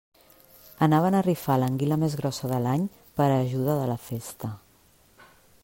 Anaven a rifar l'anguila més grossa de l'any per a ajuda de la festa.